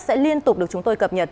sẽ liên tục được chúng tôi cập nhật